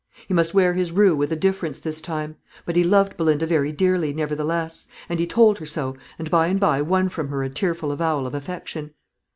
He must wear his rue with a difference this time. But he loved Belinda very dearly, nevertheless; and he told her so, and by and by won from her a tearful avowal of affection.